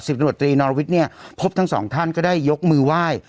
สิปหนวดดีนอลณวิทเนี่ยพบทั้งสองท่านก็ได้ยกมือว่าย